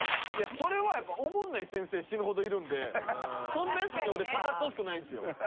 それはやっぱおもんない先生死ぬほどいるんでそんなヤツに俺語ってほしくないんですよ。